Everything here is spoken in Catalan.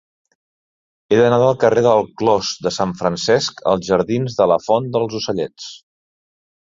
He d'anar del carrer del Clos de Sant Francesc als jardins de la Font dels Ocellets.